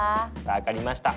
分かりました。